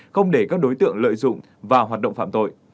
không để các đối tượng lợi dụng vào hoạt động phạm tội